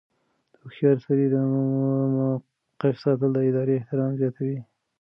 د هوښیارۍ سره د موقف ساتل د ادارې احترام زیاتوي.